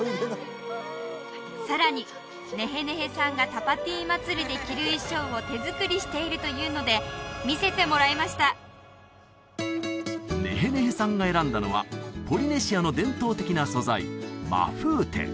さらにネヘネヘさんがタパティ祭りで着る衣装を手作りしているというので見せてもらいましたネヘネヘさんが選んだのはポリネシアの伝統的な素材マフーテ